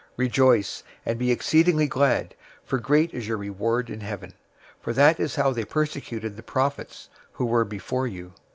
005:012 Rejoice, and be exceedingly glad, for great is your reward in heaven. For that is how they persecuted the prophets who were before you.